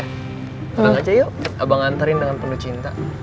tenang aja yuk abang nganterin dengan penuh cinta